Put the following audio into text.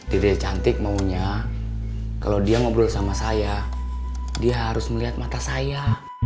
dirinya cantik maunya kalau dia ngobrol sama saya dia harus melihat mata saya